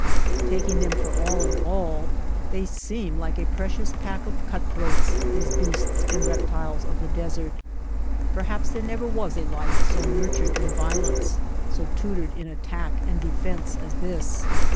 Taking them for all in all, they seem like a precious pack of cutthroats, these beasts and reptiles of the desert. Perhaps there never was a life so nurtured in violence, so tutored in at tack and defence as this.